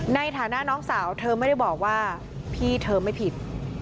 ในฐานะน้องสาวเธอไม่ได้บอกว่าพี่เธอไม่ผิด